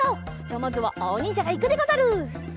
じゃあまずはあおにんじゃがいくでござる。